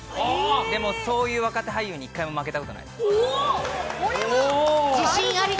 でもそう言う若手俳優に一回も負けたことないです。